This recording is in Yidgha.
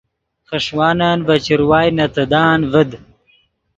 خݰوانن ڤے چروائے نے تیدان ڤد